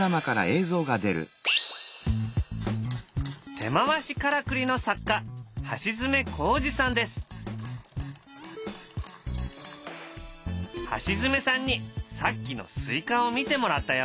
手回しからくりの作家橋爪さんにさっきのスイカを見てもらったよ。